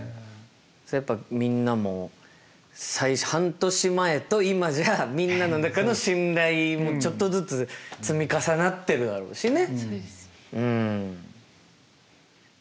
それやっぱみんなも半年前と今じゃみんなの中の信頼もちょっとずつ積み重なってるだろうしね。